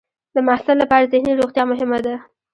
د محصل لپاره ذهني روغتیا مهمه ده.